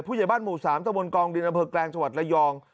ผู้ใหญ่บ้านหมู่สามตะวนกองดินเบิกแกรงชวัดระยอง